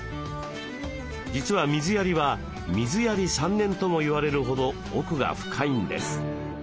実は水やりは「水やり３年」とも言われるほど奥が深いんです。